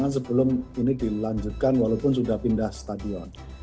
ini pertimbangan sebelum ini dilanjutkan walaupun sudah pindah stadion